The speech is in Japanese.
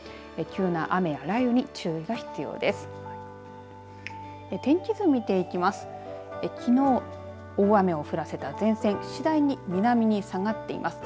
急な雨や雷雨に注意が必要です。